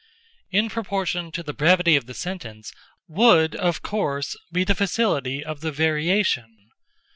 In proportion to the brevity of the sentence, would, of course, be the facility of the variation.